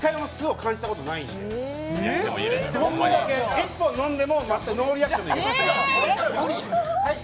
１本飲んでもノーリアクションでいきます。